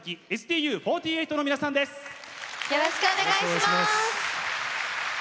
よろしくお願いします！